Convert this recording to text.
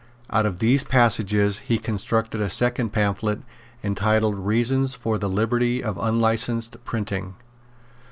Out of these passages he constructed a second pamphlet entitled Reasons for the Liberty of Unlicensed Printing.